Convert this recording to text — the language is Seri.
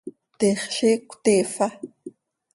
¿Tiix ziic cötiifa?